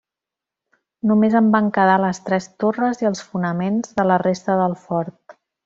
Només en van quedar les tres torres i els fonaments de la resta del fort.